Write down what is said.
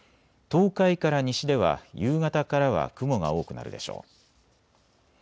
東海から西では夕方からは雲が多くなるでしょう。